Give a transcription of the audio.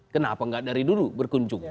kenapa nggak dari dulu berkunjung